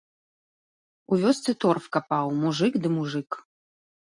У вёсцы торф капаў, мужык ды мужык.